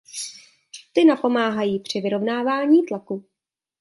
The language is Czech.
Ty napomáhají při vyrovnávání tlaku.